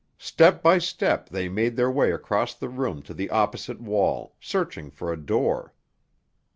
Step by step they made their way across the room to the opposite wall, searching for a door.